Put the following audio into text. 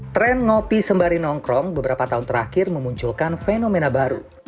tren ngopi sembari nongkrong beberapa tahun terakhir memunculkan fenomena baru